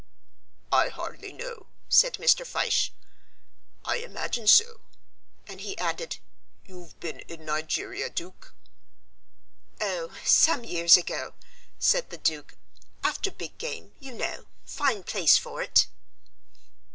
"I hardly know," said Mr. Fyshe, "I imagine so"; and he added, "You've been in Nigeria, Duke?" "Oh, some years ago," said the Duke, "after big game, you know fine place for it."